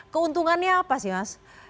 keuntungannya apa sih mas